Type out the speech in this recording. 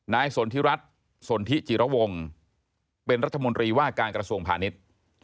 นายสนธิรัฐสนธิจิระวงศ์เป็นรัฐมนตรีว่าการกระทรวงผ่านิต